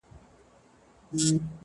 ستا د خــولې خـبري يــې زده كړيدي.